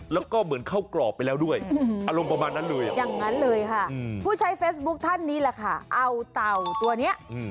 เอาก็ว่าเข้นไปเพราะลักษณะของมันดูแปลกไม่ได้